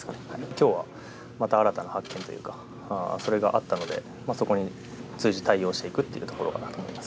きょうはまた新たな発見というか、それがあったので、そこに随時対応していくっていうところだと思います。